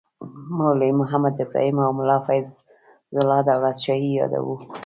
مولوي محمد ابراهیم او ملا فیض الله دولت شاهي یادوو.